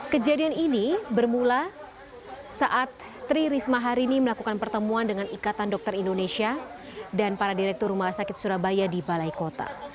kejadian ini bermula saat tri risma hari ini melakukan pertemuan dengan ikatan dokter indonesia dan para direktur rumah sakit surabaya di balai kota